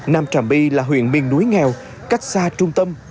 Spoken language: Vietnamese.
nam trà my là huyện miền núi nghèo cách xa trung tâm